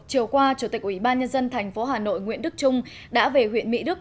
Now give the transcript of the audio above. chiều qua chủ tịch ủy ban nhân dân tp hà nội nguyễn đức trung đã về huyện mỹ đức